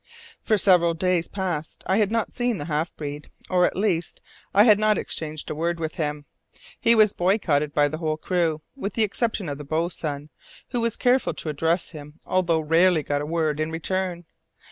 For several days past I had not seen the half breed, or, at least, I had not exchanged a word with him. He was boycotted by the whole crew, with the exception of the boatswain, who was careful to address him, although he rarely got a word in return.